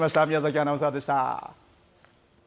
宮崎アナウンサーでした。